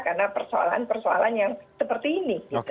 karena persoalan persoalan yang seperti ini